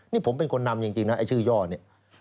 นี่ผมเป็นคนนำจริงนะไอ้ชื่อย่อเนี่ย